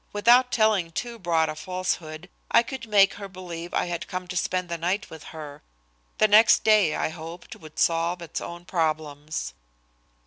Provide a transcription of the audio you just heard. Without telling too broad a falsehood, I could make her believe I had come to spend the night with her. The next day, I hoped, would solve its own problems.